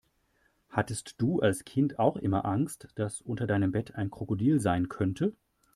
Hattest du als Kind auch immer Angst, dass unter deinem Bett ein Krokodil sein könnte?